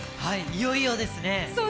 いよいよですね。